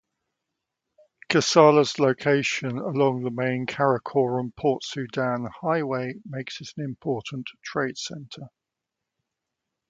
Kassala's location along the main Khartoum-Port Sudan highway makes it an important trade center.